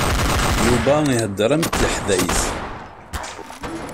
Yuba ihedder am teḥdayt.